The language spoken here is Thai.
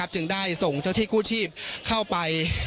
จึงได้ส่งเจ้าที่กู้ชีพเข้าไป